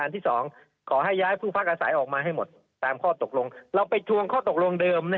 อันที่๒ขอให้ย้ายผู้พักอาศัยออกมาให้หมดตามข้อตกลง